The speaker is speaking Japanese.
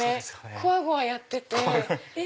こわごわやってて。